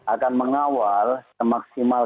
akan mengawal semaksimal